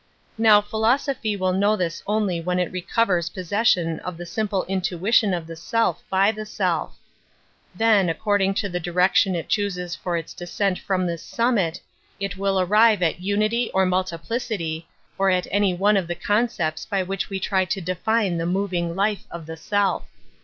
Now philosopl^ will know this only when it recovers poi session of the simple intuition of the 8ell| ■ by the self. Then, according to the direcl jtion it chooses for its descent from this Bnmmit, it will arrive at unity or multj ••r y Metaphysics 39 plicity, or at any one of the concepts by which we try to define the moving life of the self.